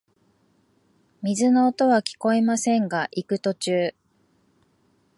水の音はきこえませんが、行く途中、